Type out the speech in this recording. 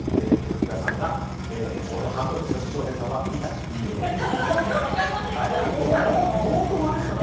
福田さんがちょうど半分翔平さんは見たということで。